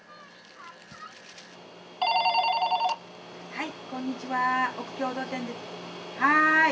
はい。